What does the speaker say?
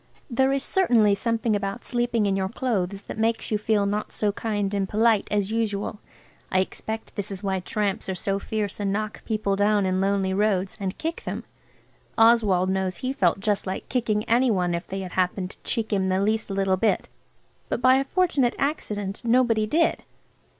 There is certainly something about sleeping in your clothes that makes you feel not so kind and polite as usual. I expect this is why tramps are so fierce and knock people down in lonely roads and kick them. Oswald knows he felt just like kicking any one if they had happened to cheek him the least little bit. But by a fortunate accident nobody did.